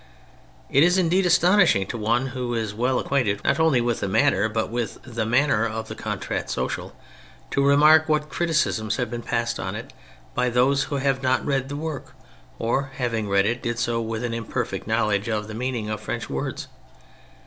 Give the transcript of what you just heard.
It is indeed astonishing to one who is well acquainted not only with the matter, but with the manner of the Contrat Social, to remark what criticisms have been passed upon it by those who either have not read the work or, having read it, did so with an imperfect know ledge of the meaning of French words.